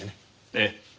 ええ。